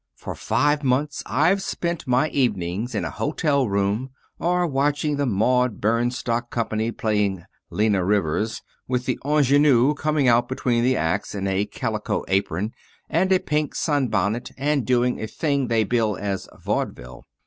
For five months I've spent my evenings in my hotel room, or watching the Maude Byrnes Stock Company playing "Lena Rivers," with the ingenue coming out between the acts in a calico apron and a pink sunbonnet and doing a thing they bill as vaudeville.